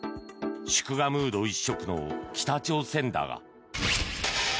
祝賀ムード一色の北朝鮮だが。